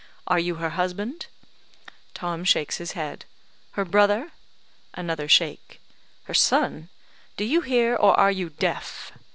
Are you her husband?" (Tom shakes his head.) "Her brother?" (Another shake.) "Her son? Do you hear? or are you deaf?"